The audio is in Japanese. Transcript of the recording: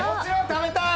食べたい！